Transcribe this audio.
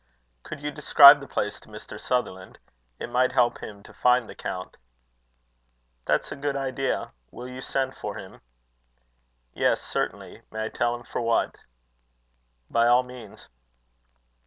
"Could you describe the place to Mr. Sutherland? It might help him to find the count." "That's a good idea. Will you send for him?" "Yes, certainly. May I tell him for what?" "By all means."